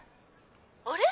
あれ？